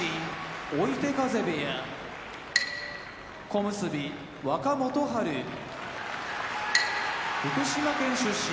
追手風部屋小結・若元春福島県出身